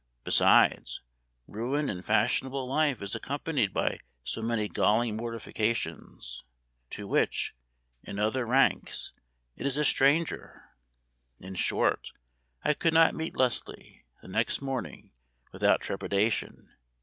Besides, ruin in fashionable life is accompanied by so many galling mortifications, to which, in other ranks, it is a stranger. In short, I could not meet Leslie, the next morning, without trepidation.